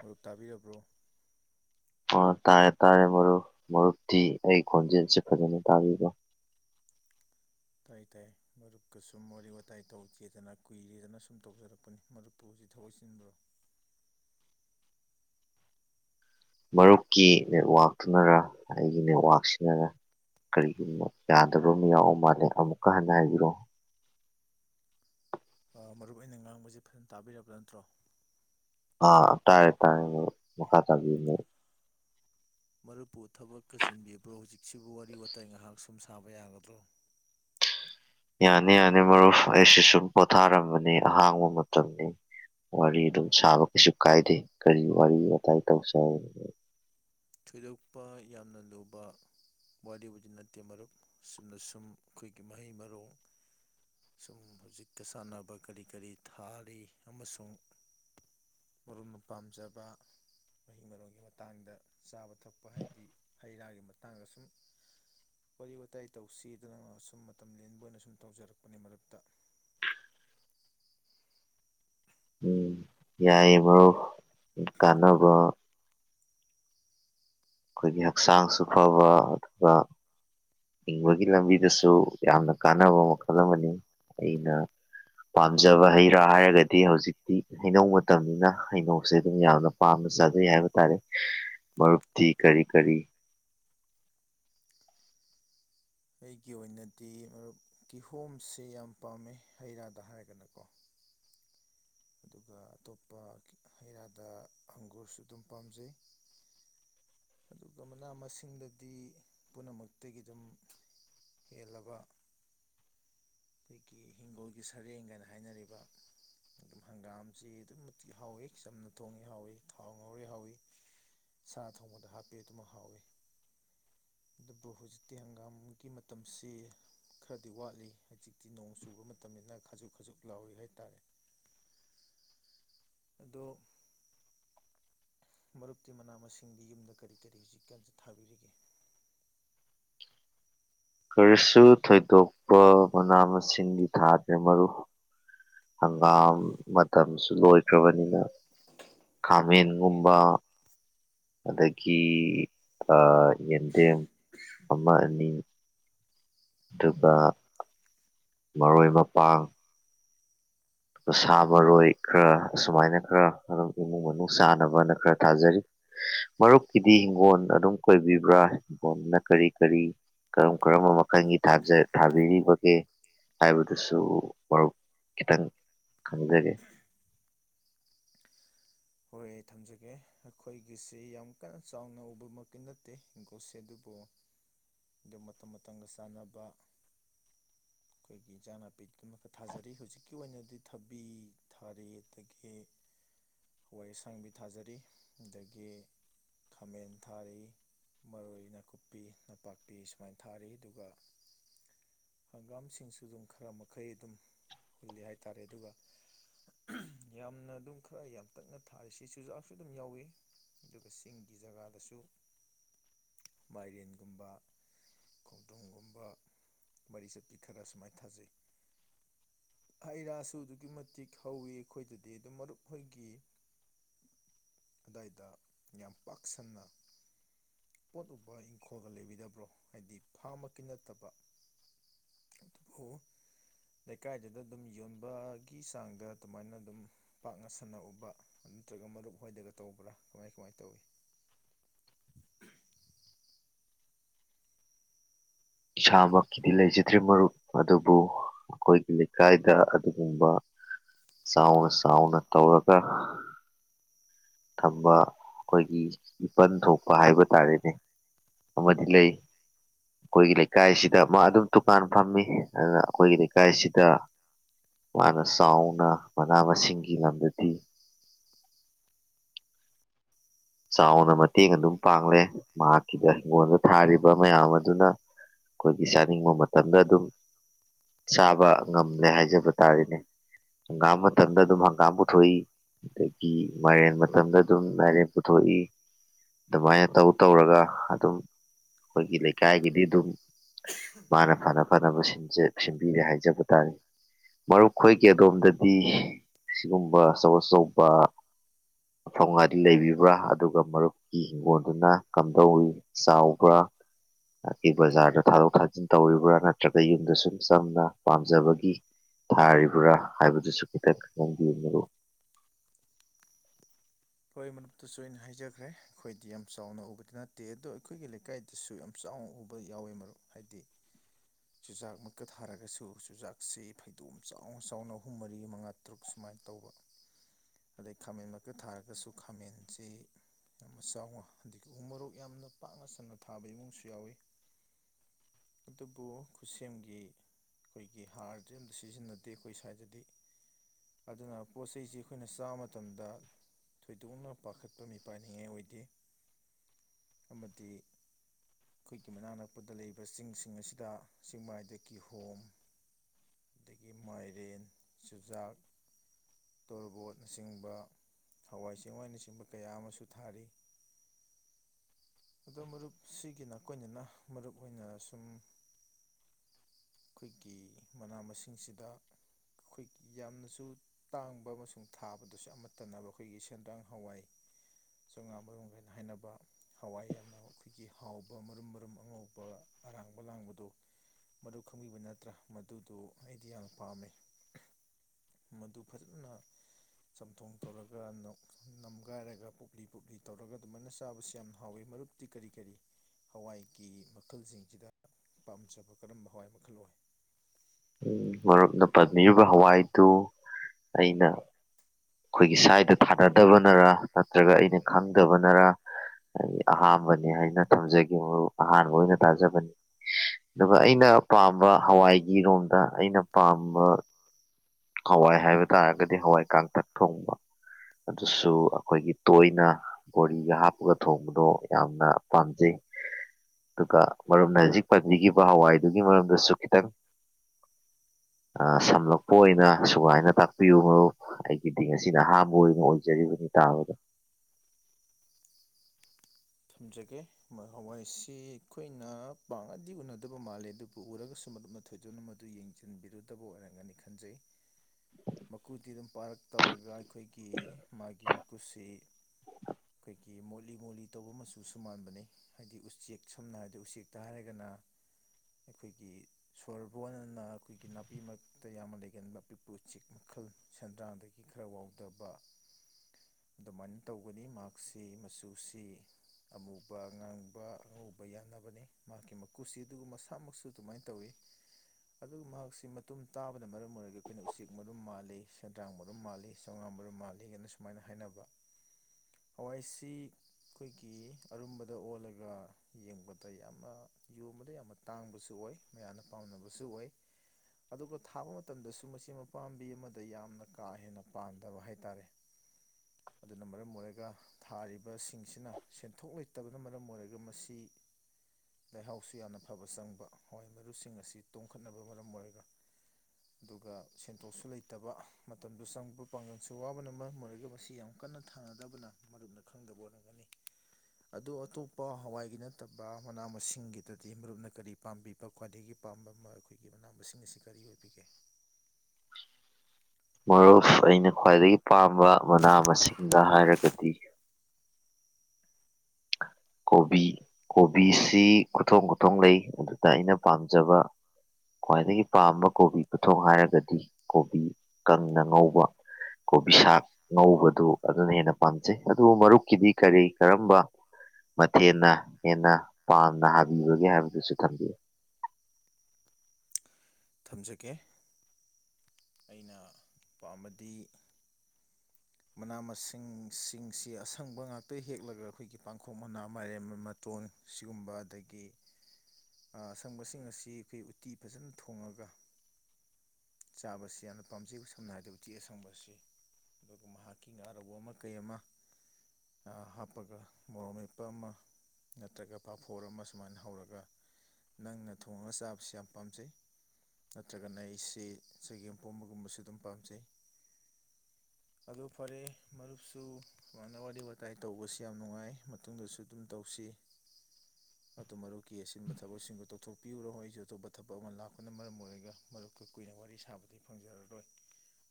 ꯃꯔꯨꯞ ꯇꯥꯕꯤꯔꯕ꯭ꯔꯣ ꯑꫭ ꯇꯥꯔꯦ ꯇꯥꯔꯦ ꯃꯔꯨꯞ ꯃꯔꯨꯞꯇꯤ ꯑꯩ ꯈꯣꯟꯖꯦꯜꯁꯦ ꯐꯖꯅ ꯇꯥꯕꯤꯕ꯭ꯔꯣ ꯇꯥꯏ ꯇꯥꯏ ꯃꯔꯨꯞꯀ ꯁꯨꯝ ꯋꯥꯔꯤ ꯋꯥꯇꯥꯏ ꯇꯧꯖꯦꯗꯅ ꯀꯨꯏꯔꯦꯗꯅ ꯁꯨꯝ ꯇꯧꯖꯔꯛꯄꯅꯤ ꯃꯔꯨꯞ ꯕꯔꫭꯁꯦ ꯆꯤꯟꯕ꯭ꯔꯣ ꯃꯔꯨꯞꯀꯤ ꯅꯦꯠꯋꯥꯛꯇꯨꯅꯔ ꯑꯩꯒꯤ ꯅꯦꯠꯋꯥꯛꯁꯤꯅꯔ [unintelligible] ꯌꯥꯗꯕ ꯑꯃꯥ ꯌꯥꯎ ꯃꯥꯜꯂꯦ ꯑꯃꯨꯛꯀꯥ ꯍꯟꯅ ꯍꯥꯏꯕꯤꯔꯛꯑꯣ ꯑ ꯃꯔꯨꯞ ꯑꯩꯅ ꯉꯥꯡꯕꯁꯦ ꯐꯖꯅ ꯇꯥꯕꯤꯔꯕ ꯅꯠꯇ꯭ꯔꯣ ꯑ ꯇꯥꯥꯏꯌꯦ ꯇꯥꯏꯌꯦ [unintelligible] ꯃꯈꯥ ꯇꯕꯤꯌꯨꯅꯦ ꯃꯔꯨꯞꯄꯨ ꯊꯕꯛꯀꯥ ꯆꯤꯟꯕꯤꯕ꯭ꯔꯣ ꯍꯧꯖꯤꯛꯁꯤꯕꯨ ꯋꯥꯔꯤ ꯋꯥꯇꯥꯏ ꯉꯥꯏꯍꯥꯛ ꯁꯨꯝ ꯁꯥꯕ ꯌꯥꯒꯗ꯭ꯔꯣ ꯌꯥꯅꯤ ꯌꯥꯅꯤ ꯃꯔꯨꯞ ꯑꯩꯁꯤ ꯁꯨꯝ ꯄꯣꯊꯥꯔꯝꯕꯅꯤ ꯑꯍꯥꯡꯕ ꯃꯇꯝꯅꯤ ꯋꯥꯔꯤ ꯑꯗꯨꯝ ꯁꯥꯕ ꯀꯩꯁꯨ ꯀꯥꯏꯗꯦ ꯀꯔꯤ ꯋꯥꯔꯤ ꯋꯥꯇꯥꯏ ꯇꯧꯁꯦ [unintelligible] ꯊꯣꯏꯗꯣꯛꯄ ꯌꯥꯝꯅ ꯂꯨꯕ ꯋꯥꯔꯤꯕꯨꯗꯤ ꯅꯠꯇꯦ ꯃꯔꯨꯞ ꯆꯨꯝꯅ ꯁꯨꯝ ꯈꯣꯏꯒꯤ ꯃꯍꯩ ꯃꯔꯣꯡ ꯁꯨꯝ ꯍꯧꯖꯤꯛꯀꯥ ꯆꯥꯟꯅꯕ ꯀꯔꯤ ꯀꯔꯤ ꯊꯥꯔꯤ ꯑꯃꯁꯨꯡ ꯃꯔꯨꯞꯅ ꯄꯥꯝꯖꯕ ꯃꯍꯩ ꯃꯔꯣꯡꯒꯤ ꯃꯇꯥꯡꯗ ꯆꯥꯕ ꯊꯛꯄ ꯍꯥꯏꯗꯤ ꯍꯩ ꯔꯥꯒꯤ ꯃꯇꯥꯡꯗ ꯁꯨꯝ ꯋꯥꯔꯤ ꯋꯥꯇꯥꯏ ꯇꯧꯁꯤꯗꯅ ꯁꯨꯝ ꯃꯇꯝ ꯂꯦꯟꯕ ꯑꯣꯏꯅ ꯁꯨꯝ ꯇꯧꯖꯔꯛꯄꯅꯦ ꯃꯔꯨꯞꯇ ꯎꯝ ꯌꯥꯏꯌꯦ ꯃꯔꯨꯞ ꯀꯥꯟꯅꯕ ꯑꯩꯈꯣꯏꯒꯤ ꯍꯛꯆꯥꯡꯁꯨ ꯐꯕ ꯑꯗꯨꯒ ꯍꯤꯡꯕꯒꯤ ꯂꯝꯕꯤꯗꯁꯨ ꯌꯥꯝꯅ ꯀꯥꯟꯅꯕ ꯃꯈꯜ ꯑꯃꯅꯤ ꯑꯩꯅ ꯄꯥꯝꯖꯕ ꯍꯩ ꯔꯥ ꯍꯥꯏꯔꯒꯗꯤ ꯍꯧꯖꯤꯛꯇꯤ ꯍꯩꯅꯧ ꯃꯇꯝꯅꯤꯅ ꯍꯩꯅꯧꯁꯦ ꯑꯗꯨꯝ ꯌꯥꯝꯅ ꯄꯥꯝꯅ ꯆꯥꯖꯩ ꯍꯥꯏꯕ ꯇꯥꯔꯦ ꯃꯔꯨꯞꯇꯤ ꯀꯔꯤ ꯀꯔꯤ ꯑꯩꯒꯤ ꯑꯣꯏꯅꯗꯤ ꯃꯔꯨꯞ ꯀꯤꯍꯣꯝꯁꯦ ꯌꯥꯝ ꯄꯥꯝꯃꯦ ꯍꯩ ꯔꯥꯗ ꯍꯥꯏꯔꯒꯅꯀꯣ ꯑꯗꯨꯒ ꯑꯇꯣꯞꯄ ꯍꯩꯔꯥꯗ ꯑꯪꯒꯨꯔꯁꯨ ꯑꯗꯨꯝ ꯄꯥꯝꯖꯩ ꯑꯗꯨꯒ ꯃꯅꯥ ꯃꯁꯤꯡꯗꯗꯤ ꯄꯨꯝꯅꯃꯛꯇꯒꯤ ꯑꯗꯨꯝ ꯍꯦꯜꯂꯕ ꯑꯩꯈꯣꯏꯒꯤ ꯍꯤꯡꯒꯣꯜꯒꯤ ꯁꯔꯦꯡꯒꯥꯏꯅ ꯍꯥꯏꯅꯔꯤꯕ ꯍꯪꯒꯥꯝꯁꯤ ꯑꯗꯨꯀꯤ ꯃꯇꯤꯛ ꯍꯥꯎꯋꯤ ꯆꯝꯅ ꯊꯣꯡꯉꯦ ꯍꯥꯎꯋꯤ ꯊꯥꯎ ꯉꯥꯎꯔꯦ ꯍꯥꯎꯋꯤ ꯁꯥ ꯊꯣꯡꯕꯗ ꯍꯥꯞꯄꯦ ꯗꯨꯝ ꯍꯥꯎꯢ ꯑꯗꯨꯕꯨ ꯍꯧꯖꯤꯛꯇꯤ ꯍꯪꯒꯥꯝꯒꯤ ꯃꯇꯝꯁꯤ ꯈꯔꯗꯤ ꯋꯥꯠꯂꯤ ꯍꯧꯖꯤꯛꯇꯤ ꯅꯣꯡ ꯆꯨꯕ ꯃꯇꯝꯅꯤꯅ ꯈꯖꯨꯛ ꯈꯖꯨꯛ ꯂꯥꯎꯔꯤ ꯍꯥꯏꯇꯥꯔꯦ ꯑꯗꯣ ꯃꯔꯨꯞꯇꯤ ꯃꯅꯥ ꯃꯁꯤꯡꯗꯤ ꯌꯨꯝꯗ ꯀꯔꯤ ꯀꯔꯤ ꯍꯧꯖꯤꯛ ꯀꯥꯟꯖꯦ ꯊꯥꯕꯤꯔꯤꯒꯦ ꯀꯔꯤꯁꯨ ꯊꯣꯏꯗꯣꯛꯄ ꯃꯅꯥ ꯃꯁꯤꯡꯗꯤ ꯊꯥꯗ꯭ꯔꯦ ꯃꯔꯨꯞ ꯍꯪꯒꯥꯝ ꯃꯇꯝꯁꯨ ꯂꯣꯏꯈꯔꯕꯅꯤꯅ [unintelligible] ꯈꯥꯃꯦꯟꯒꯨꯝꯕ ꯑꯗꯒꯤ ꯌꯦꯟꯗꯦꯝ ꯑꯃ ꯑꯅꯤ ꯑꯗꯨꯒ ꯃꯔꯣꯏ ꯃꯄꯥꯡ ꯁꯥ ꯃꯔꯣꯏ ꯈꯔ ꯑꯁꯨꯃꯥꯏꯅ ꯈꯔ ꯑꯗꯨꯝ ꯏꯃꯨꯡ ꯃꯅꯨꯡ ꯆꯥꯅꯕꯅ ꯈꯔ ꯊꯥꯖꯔꯤ ꯃꯔꯨꯞꯀꯤꯗꯤ ꯍꯤꯡꯒꯣꯜ ꯑꯗꯨꯝ ꯀꯣꯏꯕꯤꯕ꯭ꯔꯥ [unintelligible] ꯀꯔꯤ ꯀꯔꯤ ꯀꯔꯝ ꯀꯔꯝꯕ ꯃꯈꯜꯒꯤ ꯊꯥꯖ ꯊꯥꯕꯤꯔꯤꯕꯒꯦ ꯍꯥꯏꯕꯗꯨꯁꯨ ꯃꯔꯨꯞ ꯈꯤꯇꯪ ꯈꯪꯖꯒꯦ ꯍꯣꯏ ꯑꯩ ꯊꯝꯖꯒꯦ ꯑꯩꯈꯣꯏꯒꯤꯁꯤ ꯌꯥꯝ ꯀꯟꯅ ꯆꯥꯎꯅ ꯎꯕꯃꯛꯇꯤ ꯅꯠꯇꯦ ꯍꯤꯡꯒꯣꯠꯁꯦ ꯑꯗꯨꯕꯨ ꯑꯗꯨꯝ ꯃꯇꯝ ꯃꯇꯝꯒ ꯆꯥꯅꯕ ꯑꯩꯈꯣꯏꯒꯤ ꯏꯖꯥꯡ ꯅꯥꯄꯤꯗꯨꯝꯃꯀꯥ ꯊꯥꯖꯔꯤ ꯍꯧꯖꯤꯛꯀꯤ ꯑꯣꯏꯅꯗꯤ ꯊꯕꯤ ꯊꯥꯔꯤ ꯑꯗꯒꯤ ꯍꯋꯥꯏ ꯑꯁꯥꯡꯕꯤ ꯊꯥꯖꯔꯤ ꯑꯗꯒꯤ ꯈꯥꯃꯦꯟ ꯊꯥꯔꯤ ꯃꯔꯣꯏ ꯅꯥꯀꯨꯞꯄꯤ ꯅꯄꯥꯛꯄꯤ ꯁꯨꯃꯥꯏꯅ ꯊꯥꯔꯤ ꯑꯗꯨꯒ ꯍꯪꯒꯥꯝꯁꯤꯡꯁꯨ ꯑꯗꯨꯝ ꯈꯔ ꯃꯈꯩ ꯑꯗꯨꯝ ꯍꯨꯜꯂꯤ ꯍꯥꯏꯇꯥꯔꯦ ꯑꯗꯨꯒ [unintelligible] ꯌꯥꯝꯅ ꯑꯗꯨꯝ ꯈꯔ ꯌꯥꯝ ꯇꯛꯅ ꯊꯥꯔꯤ ꯁꯤ ꯆꯨꯖꯥꯛꯁꯨ ꯑꯗꯨꯝ ꯌꯥꯎꯋꯤ ꯑꯗꯨꯒ ꯁꯤꯡꯒꯤ ꯖꯒꯥꯗꯁꯨ ꯃꯥꯏꯔꯦꯟꯒꯨꯝꯕ ꯈꯣꯡꯗꯔꯨꯝꯒꯨꯝꯕ ꯃꯔꯤ ꯆꯠꯄꯤ ꯈꯔ ꯁꯨꯃꯥꯏ ꯊꯥꯖꯩ ꯍꯩ ꯔꯥꯁꯨ ꯑꯗꯨꯛꯀꯤ ꯃꯇꯤꯛ ꯍꯧꯋꯤ ꯑꯩꯈꯣꯏꯗꯗꯤ ꯑꯗꯨꯝ ꯃꯔꯨꯞ ꯍꯣꯏꯒꯤ ꯑꯗꯥꯏꯗ ꯌꯥꯝ ꯄꯥꯛꯁꯟꯅ ꯄꯣꯠ ꯀꯨꯝꯕ ꯏꯪꯈꯣꯜꯒ ꯂꯩꯕꯤꯗꯕ꯭ꯔꯣ ꯍꯥꯏꯗꯤ ꯐꯥꯝꯃꯛꯀꯤ ꯅꯠꯇꯕ ꯑꯗꯨꯕꯨ ꯂꯩꯀꯥꯏꯗꯨꯗ ꯑꯗꯨꯝ ꯌꯣꯟꯕꯥꯒꯤ ꯆꯥꯡꯗ ꯑꯗꯨꯃꯥꯏꯅ ꯑꯗꯨꯝ ꯄꯥꯛꯅ ꯁꯟꯅ ꯎꯕ ꯅꯠꯇ꯭ꯔꯒ ꯃꯔꯨꯞ ꯍꯣꯏꯗꯒ ꯇꯧꯕ꯭ꯔꯥ ꯀꯃꯥꯏ ꯀꯃꯥꯏ ꯇꯧꯏ꯫ ꯏꯁꯥꯃꯛꯀꯤꯗꯤ ꯂꯩꯖꯗ꯭ꯔꯦ ꯃꯔꯨꯞ ꯑꯗꯨꯕꯨ ꯑꯈꯣꯏꯒꯤ ꯂꯩꯀꯥꯏꯗ ꯑꯗꯨꯒꯨꯝꯕ ꯆꯥꯎꯅ ꯆꯥꯎꯅ ꯇꯧꯔꯒ ꯊꯝꯕ ꯑꯈꯣꯏꯒꯤ ꯏꯄꯟ ꯊꯣꯛꯄ ꯍꯥꯏꯕ ꯇꯥꯔꯦꯅꯦ꯫ ꯑꯃꯗꯤ ꯂꯩ꯫ ꯑꯩꯈꯣꯏꯒꯤ ꯂꯩꯀꯥꯏꯁꯤꯗ ꯃꯥ ꯑꯗꯨꯝ ꯗꯨꯀꯥꯟ ꯐꯝꯃꯤ ꯑꯗꯨꯅ ꯑꯩꯈꯣꯏꯒꯤ ꯂꯩꯀꯥꯏꯁꯤꯗ ꯃꯥꯅ ꯆꯥꯎꯅ ꯃꯅꯥ ꯃꯁꯤꯡꯒꯤ ꯂꯝꯗꯗꯤ ꯆꯥꯎꯅ ꯃꯇꯦꯡ ꯑꯗꯨꯝ ꯄꯥꯡꯂꯦ ꯃꯍꯥꯛꯀꯤꯗ ꯍꯤꯡꯒꯣꯟꯗ ꯊꯥꯔꯤꯕ ꯃꯌꯥꯝ ꯑꯗꯨꯅ ꯑꯈꯣꯏꯒꯤ ꯆꯥꯅꯤꯡꯕ ꯃꯇꯝꯗ ꯑꯗꯨꯝ ꯆꯥꯕ ꯉꯝꯂꯦ ꯍꯥꯏꯖꯕ ꯇꯥꯔꯦꯅꯦ꯫ ꯍꯪꯒꯥꯝ ꯃꯇꯝꯗ ꯑꯗꯨꯝ ꯍꯪꯒꯥꯝ ꯄꯨꯊꯣꯛꯏ ꯑꯗꯒꯤ ꯃꯥꯏꯔꯦꯟ ꯃꯇꯝꯗ ꯑꯗꯨꯝ ꯃꯥꯏꯔꯦꯟ ꯄꯨꯊꯣꯛꯏ꯫ ꯑꯗꯨꯃꯥꯏꯅ ꯇꯧ ꯇꯧꯔꯒ ꯑꯗꯨꯝ ꯑꯈꯣꯏꯒꯤ ꯂꯩꯀꯥꯏꯒꯤꯗꯤ ꯑꯗꯨꯝ ꯃꯥꯅ ꯐꯅ ꯐꯅꯕ ꯁꯤꯟꯖ ꯁꯤꯟꯕꯤꯔꯦ ꯍꯥꯏꯖꯕ ꯇꯥꯔꯦ꯫ ꯃꯔꯨꯞ ꯈꯣꯏꯒꯤ ꯑꯗꯣꯝꯗꯗꯤ ꯁꯤꯒꯨꯝꯕ ꯑꯆꯧ ꯑꯆꯧꯕ ꯃꯐꯝꯉꯥꯗꯤ ꯂꯩꯕꯤꯕ ꯭ꯕ꯭ꯔꯥ ꯑꯗꯨꯒ ꯃꯔꯨꯞꯀꯤ ꯍꯤꯡꯒꯣꯜꯗꯨꯅ ꯀꯝꯗꯧꯋꯤ ꯆꯥꯎꯕ꯭ꯔꯥ? [unintelligible] ꯕꯖꯥꯔꯗ ꯊꯥꯗꯣꯛ ꯊꯥꯖꯤꯟ ꯇꯧꯔꯤꯕ꯭ꯔꯥ ꯅꯠꯇ꯭ꯔꯒ ꯌꯨꯝꯗ ꯁꯨꯝ ꯆꯝꯅ ꯄꯥꯝꯖꯕꯒꯤ ꯊꯥꯔꯤꯕ꯭ꯔꯥ ꯍꯥꯏꯕꯗꯨꯁꯨ ꯈꯤꯇꯪ ꯈꯪꯪꯍꯟꯕꯤꯌꯨ ꯃꯔꯨꯞ꯫ ꯍꯣꯏ ꯃꯔꯨꯞꯇꯁꯨ ꯑꯩꯅ ꯍꯥꯏꯖꯈ꯭ꯔꯦ ꯑꯩꯈꯣꯏꯗꯤ ꯌꯥꯝ ꯆꯥꯎꯅ ꯎꯕꯗꯤ ꯅꯠꯇꯦ ꯑꯗꯣ ꯑꯩꯈꯣꯏꯒꯤ ꯂꯩꯀꯥꯏ ꯇꯁꯨ ꯌꯥꯝ ꯆꯥꯎꯅ ꯎꯕ ꯌꯥꯎꯋꯤ ꯃꯔꯨꯞ ꯍꯥꯏꯗꯤ ꯆꯨꯖꯥꯛ ꯃꯨꯛꯇ ꯊꯥꯔꯒꯁꯨ ꯆꯨꯖꯥꯛꯁꯤ ꯐꯩꯗꯣꯝ ꯆꯥꯎꯅ ꯆꯥꯎꯅ ꯑꯍꯨꯝ ꯃꯔꯤ ꯃꯉꯥ ꯇꯔꯨꯛ ꯁꯨꯃꯥꯏꯅ ꯇꯧꯕ ꯑꯗꯩ ꯈꯥꯃꯦꯟ ꯃꯀ ꯊꯥꯔꯒꯁꯨ ꯈꯥꯃꯦꯟꯁꯤ ꯌꯥꯝꯅ ꯆꯥꯎꯅ, ꯑꯗꯒꯤ ꯎ ꯃꯣꯔꯣꯛ ꯌꯥꯝꯅ ꯄꯥꯛꯅ ꯁꯟꯅ ꯊꯥꯕ ꯏꯃꯨꯡꯁꯨ ꯌꯥꯎꯋꯤ꯫ ꯑꯗꯨꯕꯨ ꯈꯨꯁꯦꯝꯒꯤ ꯑꯩꯈꯣꯏꯒꯤ ꯍꯥꯔꯗꯤ ꯑꯝꯇ ꯁꯤꯖꯤꯟꯅꯗꯦ ꯈꯣꯏ ꯁ꯭ꯋꯥꯏꯗꯗꯤ ꯑꯗꯨꯅ ꯄꯣꯠꯆꯩꯁꯤ ꯑꯩꯈꯣꯏꯅ ꯆꯥꯕ ꯃꯇꯝꯗ ꯊꯣꯏꯗꯣꯛꯅ ꯄꯥꯈꯠꯄ ꯃꯤꯄꯥꯏꯅꯤꯡꯉꯥꯏ ꯑꯣꯏꯗꯦ꯫ ꯑꯃꯗꯤ ꯑꯩꯈꯣꯏꯒꯤ ꯃꯅꯥꯛ ꯅꯛꯄꯗ ꯂꯩꯕ ꯆꯤꯡꯁꯤꯡ ꯑꯁꯤꯗ ꯆꯤꯡꯃꯥꯏꯗ ꯀꯤꯍꯣꯝ ꯑꯗꯒꯤ ꯃꯥꯏꯔꯦꯟ, ꯆꯨꯖꯥꯛ, ꯇꯣꯔꯕꯣꯠꯅꯆꯤꯡꯕ ꯍꯋꯥꯏ ꯆꯦꯡꯋꯥꯏꯅ ꯆꯤꯡꯕ ꯀꯌꯥ ꯑꯃꯁꯨ ꯊꯥꯔꯤ꯫ ꯑꯗꯣ ꯃꯔꯨꯞ ꯁꯤꯒꯤ ꯅꯀꯣꯏꯅꯅ ꯃꯔꯨꯞ ꯑꯣꯏꯅ ꯁꯨꯝ ꯈꯣꯏꯒꯤ ꯃꯅꯥ ꯃꯁꯤꯡꯁꯤꯗ ꯑꯩꯈꯣꯏꯒꯤ ꯌꯥꯝꯅꯁꯨ ꯇꯥꯡꯕ ꯑꯃꯁꯨꯡ ꯊꯥꯕꯗꯁꯨ ꯑꯃꯠꯇꯅꯕ ꯑꯩꯈꯣꯏꯒꯤ ꯁꯦꯟꯗ꯭ꯔꯥꯡ ꯍꯋꯥꯏ ꯆꯉꯥ ꯃꯔꯨꯝ ꯍꯥꯏꯅ ꯍꯥꯏꯅꯕ ꯍꯋꯥꯏ ꯌꯥꯝꯅ ꯑꯩꯈꯣꯏꯒꯤ ꯍꯥꯎꯕ ꯃꯔꯨꯝ ꯃꯔꯨꯝ ꯑꯉꯧꯕ ꯑꯔꯥꯡꯕ ꯂꯥꯡꯕꯗꯣ ꯃꯗꯨ ꯈꯪꯕꯤꯕ ꯅꯠꯇ꯭ꯔꯥ ꯃꯗꯨꯗꯨ ꯑꯩꯗꯤ ꯌꯥꯝ ꯄꯥꯝꯃꯦ ꯃꯗꯨ ꯐꯖꯅ ꯆꯝꯊꯣꯡ ꯇꯧꯔꯛ [unintelligible] ꯅꯝꯒꯥꯏꯔꯒ ꯄꯨꯛꯂꯤ ꯄꯨꯛꯂꯤ ꯇꯧꯔꯒ ꯑꯗꯨꯃꯥꯏꯅ ꯆꯥꯕꯁꯤ ꯌꯥꯝꯅ ꯍꯥꯎꯋꯤ ꯃꯔꯨꯞꯇꯤ ꯀꯔꯤ ꯀꯔꯤ ꯍꯋꯥꯏꯒꯤ ꯃꯈꯜꯁꯤꯡꯁꯤꯗ ꯄꯥꯝꯖꯕ ꯀꯔꯝꯕ ꯍꯋꯥꯏ ꯃꯈꯜ ꯑꯣꯏ ꯎꯝ ꯃꯔꯨꯞꯅ ꯄꯟꯕꯤꯔꯤꯕ ꯍꯋꯥꯏꯗꯨ ꯑꯩꯅ ꯑꯩꯈꯣꯏꯒꯤ ꯁꯥꯏꯗ ꯊꯥꯅꯗꯕꯅꯔꯥ ꯅꯠꯇ꯭ꯔꯒ ꯑꯩꯅ ꯈꯪꯗꯕꯅꯔꯥ ꯍꯥꯏꯗꯤ ꯑꯍꯥꯝꯕꯅꯦ ꯍꯥꯏꯅ ꯊꯝꯖꯒꯦ ꯃꯔꯨꯞ, ꯑꯍꯥꯟꯕ ꯑꯣꯏꯅ ꯇꯥꯖꯕꯅꯤ ꯑꯗꯨꯒ ꯑꯩꯅ ꯄꯥꯝꯕ ꯍꯋꯥꯏꯒꯤꯔꯣꯝꯗ ꯑꯩꯅ ꯄꯥꯝꯕ ꯍꯋꯥꯏ ꯍꯥꯏꯕ ꯇꯥꯔꯒꯗꯤ ꯍꯋꯥꯏ ꯀꯥꯡꯇꯛ ꯊꯣꯡꯕ ꯑꯗꯨꯁꯨ ꯑꯩꯈꯣꯏꯒꯤ ꯇꯣꯏꯅ ꯕꯣꯔꯤꯒ ꯍꯥꯞꯄꯒ ꯊꯣꯡꯕꯗꯣ ꯌꯥꯝꯅ ꯄꯥꯝꯖꯩ ꯑꯗꯨꯒ ꯃꯔꯨꯞꯅ ꯍꯧꯖꯤꯛ ꯄꯟꯕꯤꯈꯤꯕ ꯍꯋꯥꯏꯗꯨꯒꯤ ꯃꯔꯝꯗꯁꯨ ꯈꯤꯇꯪ ꯑꯥ ꯁꯝꯂꯞ ꯄ ꯑꯣꯏꯅ ꯁꯨꯒꯥꯏꯅ ꯇꯥꯛꯄꯤꯌꯨ ꯃꯔꯨꯞ ꯑꯩꯒꯤꯗꯤ ꯉꯁꯤꯅ ꯑꯍꯥꯟꯕ ꯑꯣꯏꯅ ꯑꯣꯏꯖꯔꯤꯕꯅꯤ ꯇꯥꯕꯗ ꯊꯝꯖꯒꯦ ꯍꯋꯥꯏꯁꯤ ꯑꯩꯈꯣꯏꯅ ꯄꯥꯡꯅꯗꯤ ꯎꯅꯗꯕ ꯃꯥꯜꯂꯦ ꯑꯗꯨꯕꯨ ꯎꯔꯒꯁꯨꯨ ꯃꯔꯨꯞꯅ ꯊꯣꯏꯗꯣꯛꯅ ꯃꯗꯨ ꯌꯦꯡꯖꯤꯟꯕꯤꯔꯨꯗꯕ ꯑꯣꯏꯔꯝꯒꯅꯤ ꯈꯟꯖꯩ ꯃꯀꯨꯗꯤ ꯑꯗꯨꯝ ꯄꯥꯔꯞ ꯇꯧꯔꯒ ꯑꯩꯈꯣꯏꯒꯤ ꯃꯥꯒꯤ ꯃꯀꯨꯁꯤ ꯑꯩꯈꯣꯏꯒꯤ ꯃꯣꯟꯂꯤ ꯃꯣꯂꯤ ꯇꯧꯕ ꯃꯆꯨ ꯁꯨ ꯃꯥꯟꯕꯅꯤ ꯍꯥꯏꯗꯤ ꯎꯆꯦꯛ ꯁꯝꯅ ꯍꯥꯏꯔꯕꯗ ꯎꯆꯦꯛꯇ ꯍꯥꯏꯔꯒꯅ ꯑꯩꯈꯣꯏꯒꯤ ꯁꯣꯔꯔꯕꯣꯟꯅ ꯑꯩꯈꯣꯏꯒꯤ ꯅꯥꯄꯤ ꯃꯔꯛꯇ ꯌꯥꯝꯅ ꯂꯩꯒꯟꯕ ꯑꯄꯤꯛꯄ ꯎꯆꯦꯛ ꯃꯈꯜ ꯁꯦꯟꯗ꯭ꯔꯥꯡꯗꯒꯤ ꯈꯔ ꯋꯥꯎꯗꯕ ꯑꯗꯨꯃꯥꯏꯅ ꯇꯧꯒꯅꯤ ꯃꯍꯥꯛꯁꯤ ꯃꯆꯨꯁꯤ ꯑꯃꯨꯕ ꯑꯉꯥꯡꯕ ꯑꯉꯧꯕ ꯌꯥꯟꯅꯕꯅꯤ ꯃꯍꯥꯛꯀꯤ ꯃꯀꯨꯁꯤ ꯑꯗꯨꯒ ꯃꯁꯥꯃꯛꯁꯨ ꯑꯗꯨꯃꯥꯏꯅ ꯇꯧꯋꯤ ꯑꯗꯨꯒ ꯃꯍꯥꯛꯁꯤ ꯃꯇꯨꯝ ꯇꯥꯕꯅ ꯃꯔꯝ ꯑꯣꯏꯔꯒ ꯑꯩꯈꯣꯏꯅ ꯎꯆꯦꯛ ꯃꯔꯨꯝ ꯃꯥꯜꯂꯤ ꯁꯦꯟꯗ꯭ꯔꯥꯡ ꯃꯔꯨꯝ ꯃꯥꯜꯂꯤ ꯆꯣꯡꯉꯥ ꯃꯔꯨꯝ ꯃꯥꯜꯂꯤꯒꯅ ꯁꯨꯃꯥꯏꯅ ꯍꯥꯏꯅꯕ ꯍꯋꯥꯏꯁꯤ ꯑꯩꯈꯣꯏꯒꯤ ꯑꯔꯨꯝꯕꯗ ꯑꯣꯜꯂꯒ ꯌꯦꯡꯕꯗ ꯌꯥꯝꯅ ꯌꯣꯟꯕꯗ ꯌꯥꯝꯅ ꯇꯥꯡꯕꯁꯨ ꯑꯣꯏ ꯃꯌꯥꯝꯅ ꯄꯥꯝꯅꯕꯁꯨ ꯑꯣꯏ ꯑꯗꯨꯒ ꯊꯥꯕ ꯃꯇꯝꯗꯁꯨ ꯃꯁꯤ ꯃꯄꯥꯝꯕꯤ ꯑꯃꯗ ꯌꯥꯝꯅ ꯀꯥ ꯍꯦꯟꯅ ꯄꯥꯟꯗꯕ ꯍꯥꯏꯇꯥꯔꯦ ꯑꯗꯨꯅ ꯃꯔꯝ ꯑꯣꯏꯔꯒ ꯊꯥꯔꯤꯕꯁꯤꯡ ꯁꯤꯅ ꯁꯦꯟꯊꯣꯛ ꯂꯩꯇꯕꯅ ꯃꯔꯝ ꯑꯣꯏꯔꯒ ꯃꯁꯤ ꯂꯩꯍꯥꯎꯁꯨ ꯌꯥꯝꯅ ꯐꯕ ꯆꯪꯕ ꯍꯋꯥꯏ ꯃꯔꯨꯁꯤꯡ ꯑꯁꯤ ꯇꯣꯡꯈꯠꯅꯕ ꯃꯔꯝ ꯑꯣꯏꯔꯒ ꯑꯗꯨꯒ ꯁꯦꯟꯊꯣꯛꯁꯨ ꯂꯩꯇꯕ ꯃꯇꯝꯁꯨ ꯆꯪꯕ ꯄꯥꯡꯒꯜꯁꯨ ꯋꯥꯕꯅ ꯃꯔꯝ ꯑꯣꯏꯔꯒ ꯃꯁꯤ ꯌꯥꯝ ꯀꯟꯅ ꯊꯥꯡꯅꯗꯕꯅ ꯃꯔꯨꯞꯅ ꯈꯪꯗꯕ ꯑꯣꯏꯔꯝꯒꯅꯤ ꯑꯗꯨ ꯑꯇꯣꯞꯄ ꯍꯋꯥꯏꯒꯤ ꯅꯠꯇꯕ ꯃꯅꯥ ꯃꯁꯤꯡꯒꯤꯗꯗꯤ ꯃꯔꯨꯞꯅ ꯀꯔꯤ ꯄꯥꯝꯕꯤ ꯄ ꯈ꯭ꯋꯥꯏꯗꯒꯤ ꯄꯥꯝꯕ ꯑꯃ ꯑꯩꯈꯣꯏꯒꯤ ꯃꯅꯥ ꯃꯁꯤꯡ ꯑꯁꯤ ꯀꯔꯤ ꯑꯣꯏꯕꯤꯒꯦ ꯃꯔꯨꯞ ꯑꯩꯅ ꯈ꯭ꯋꯥꯏꯗꯒꯤ ꯄꯥꯝꯕ ꯃꯅꯥ ꯃꯁꯤꯡꯗ ꯍꯥꯏꯔꯒꯗꯤ ꯀꯣꯕꯤ ꯀꯣꯕꯤꯁꯤ ꯈꯨꯊꯣꯡ ꯈꯨꯊꯣꯡ ꯂꯩ ꯑꯗꯨꯗ ꯑꯩꯅ ꯄꯥꯝꯖꯕ ꯈ꯭ꯋꯥꯏꯗꯒꯤ ꯄꯥꯝꯕ ꯀꯣꯕꯤ ꯈꯨꯊꯣꯡ ꯍꯥꯏꯔꯒꯗꯤ ꯀꯣꯕꯤ ꯀꯪꯅ ꯉꯧꯕ ꯀꯣꯕꯤꯁꯥꯛ ꯉꯧꯕꯗꯨ ꯑꯗꯨꯅ ꯍꯦꯟꯅ ꯄꯥꯝꯖꯩ ꯑꯗꯨꯒ ꯃꯔꯨꯞꯀꯤꯗꯤ ꯀꯔꯤ ꯀꯔꯝꯕ ꯃꯊꯦꯟꯅ ꯍꯦꯟꯅ ꯄꯥꯝꯅ ꯍꯥꯕꯤꯕꯒꯦ ꯍꯥꯏꯕꯗꯨꯁꯨ ꯊꯝꯕꯤꯌꯨ ꯊꯝꯖꯒꯦ ꯑꯩꯅ ꯄꯥꯝꯕꯗꯤ ꯃꯅꯥ ꯃꯁꯤꯡꯁꯤꯡꯁꯤ ꯑꯁꯪꯕ ꯉꯥꯛꯇ ꯍꯦꯛꯂꯒ ꯑꯩꯈꯣꯏꯒꯤ ꯄꯥꯡꯈꯣꯛ ꯃꯅꯥ ꯃꯥꯏꯔꯦꯟ ꯃꯇꯣꯟ ꯁꯤꯒꯨꯝꯕ ꯑꯗꯒꯤ ꯑ ꯑꯁꯪꯕꯁꯤꯡ ꯑꯁꯤ ꯑꯩꯈꯣꯏ ꯎꯇꯤ ꯐꯖꯅ ꯊꯣꯡꯉꯒ ꯆꯥꯕꯁꯤ ꯌꯥꯝꯅ ꯄꯥꯝꯖꯩ ꯁꯝꯅ ꯍꯥꯏꯔꯕꯗ ꯎꯇꯤ ꯑꯁꯪꯕꯁꯤ ꯑꯗꯨꯒ ꯃꯍꯥꯛꯀꯤ ꯉꯥꯔꯧ ꯑꯃ ꯀꯩ ꯑꯃ ꯑ ꯍꯥꯞꯄꯒ ꯃꯣꯔꯣꯛ ꯃꯦꯠꯄ ꯑꯃ ꯅꯠꯇ꯭ꯔꯒ ꯄꯥꯐꯣꯔ ꯑꯃ ꯁꯨꯃꯥꯏꯅ ꯍꯧꯔꯒ ꯅꯪꯅ ꯊꯣꯡꯉꯒ ꯆꯥꯕꯁꯤ ꯌꯥꯝ ꯄꯥꯝꯖꯩ ꯅꯠꯇ꯭ꯔꯒꯅ ꯑꯩꯁꯦ ꯆꯒꯦꯝꯄꯣꯝꯕꯒꯨꯝꯕꯁꯨ ꯑꯗꯨꯝ ꯄꯥꯝꯖꯩ ꯑꯗꯨ ꯐꯔꯦ ꯃꯔꯨꯞꯁꯨ ꯁꯨꯃꯅ ꯋꯥꯔꯤ ꯋꯥꯇꯥꯏ ꯇꯧꯕꯁꯤ ꯌꯥꯝ ꯅꯨꯡꯉꯥꯏ ꯃꯇꯨꯡꯗꯁꯨ ꯑꯗꯨꯝ ꯇꯧꯁꯤ [inaudible] ꯑꯗꯣ ꯃꯔꯨꯞꯀꯤ ꯑꯁꯤꯟꯕ ꯊꯕꯛꯁꯤꯡꯗꯨ ꯇꯧꯊꯣꯛꯄꯤꯌꯨꯔꯣ ꯑꯩꯁꯨ ꯑꯇꯣꯞꯄ ꯊꯕꯛ ꯑꯃ ꯂꯥꯛꯄꯅ ꯃꯔꯝ ꯑꯣꯏꯔꯒ ꯃꯔꯨꯞ ꯑꯩꯈꯣꯏ ꯀꯨꯏꯅ ꯋꯥꯔꯤ ꯁꯥꯕꯗꯤ ꯐꯪꯖꯔꯔꯣꯏ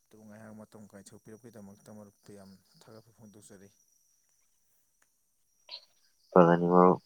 ꯑꯗꯨ ꯉꯥꯏꯍꯥꯛ ꯃꯇꯝ ꯀꯥꯏꯊꯣꯛ ꯄꯤꯔꯛꯄꯀꯤꯗꯃꯛꯇ ꯃꯔꯨꯞꯛꯇ ꯌꯥꯝ ꯊꯥꯒꯠꯄ ꯐꯣꯡꯗꯣꯛꯆꯔꯤ [unintelligible] ꯃꯔꯨꯞ